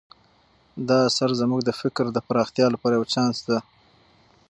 دا اثر زموږ د فکر د پراختیا لپاره یو چانس دی.